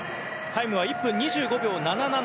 タイムは１分２５秒７７。